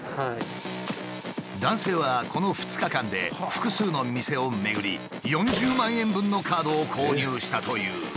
男性はこの２日間で複数の店を巡り４０万円分のカードを購入したという。